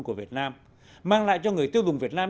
của việt nam mang lại cho người tiêu dùng việt nam